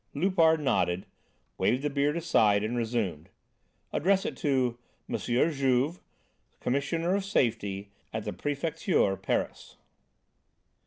Loupart nodded, waved the Beard aside and resumed: "Address it to "Monsieur Juve, "Commissioner of Safety, "At the Prefecture, Paris."